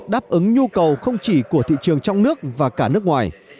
đáp ứng nhu cầu không chỉ của thị trường trong nước và cả nước ngoài